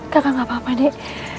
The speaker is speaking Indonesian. kakak gak apa apa dek